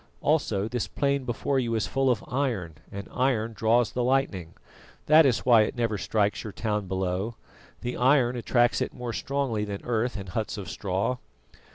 Also this plain before you is full of iron, and iron draws the lightning. That is why it never strikes your town below. The iron attracts it more strongly than earth and huts of straw.